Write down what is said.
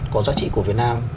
có giá trị của việt nam